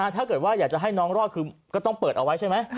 ถ้าเกิดว่าอยากจะให้น้องรอดคือก็ต้องเปิดเอาไว้ใช่ไหม